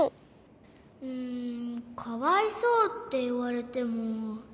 うんかわいそうっていわれても。